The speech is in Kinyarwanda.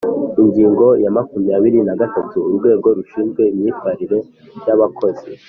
Ingingo ya makumyabiri na gatatu: Urwego rushinzwe imyitwarire ya abakozi